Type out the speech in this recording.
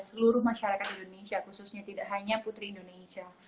seluruh masyarakat indonesia khususnya tidak hanya putri indonesia